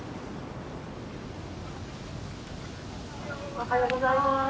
おはようございます。